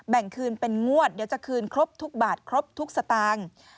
แบ่งคืนเป็นงวดเดี๋ยวจะคืนครบทุกบาทครบทุกสตางค์